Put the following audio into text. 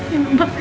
ya makasih ya